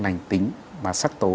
lành tính và sắc tố